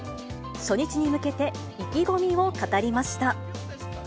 初日に向けて、意気込みを語りました。